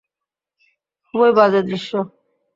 খুবই বাজে দৃশ্য।